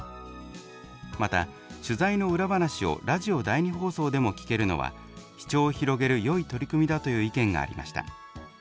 また「取材の裏話をラジオ第２放送でも聴けるのは視聴を広げるよい取り組みだ」という意見がありました。